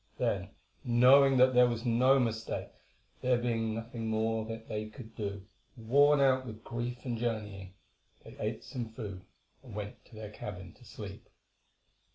Then, knowing that there was no mistake, there being nothing more that they could do, worn out with grief and journeying, they ate some food and went to their cabin to sleep.